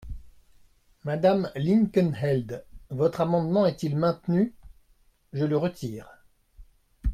Madame Linkenheld, votre amendement est-il maintenu ? Je le retire.